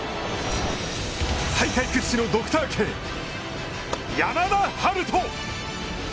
大会屈指のドクターＫ山田陽翔。